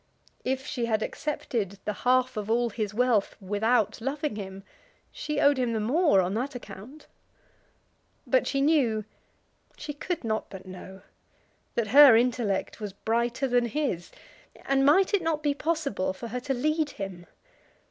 If she had accepted the half of all his wealth without loving him, she owed him the more on that account. But she knew, she could not but know, that her intellect was brighter than his; and might it not be possible for her to lead him?